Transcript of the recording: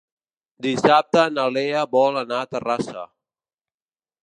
Dissabte na Lea vol anar a Terrassa.